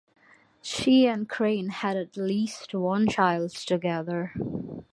She and Crane had at least one child together.